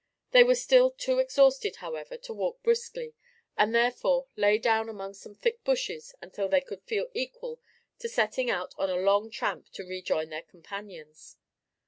They were still too exhausted, however, to walk briskly, and therefore lay down among some thick bushes until they should feel equal to setting out on the long tramp to rejoin their companions.